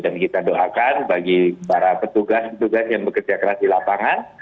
dan kita doakan bagi para petugas petugas yang bekerja keras di lapangan